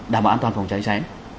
đảm bảo an toàn phòng cháy cháy